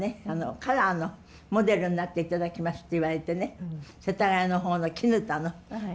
カラーのモデルになって頂きますって言われてね世田谷の方の砧の。